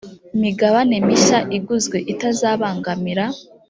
migabane mishya iguzwe itazabangamira